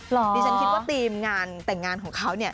เหรอเหรอฉันคิดว่าตีมนานแต่งงานของเขา